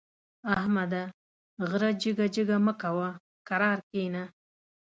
احمده! غره جګه جګه مه کوه؛ کرار کېنه.